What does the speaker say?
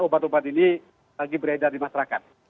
obat obat ini lagi beredar di masyarakat